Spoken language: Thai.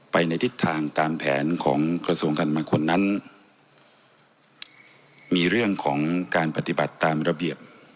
ในทิศทางตามแผนของกระทรวงการมงคลนั้นมีเรื่องของการปฏิบัติตามระเบียบ